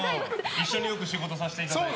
一緒によく仕事をさせていただいて。